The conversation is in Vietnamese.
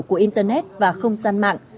của internet và không gian mạng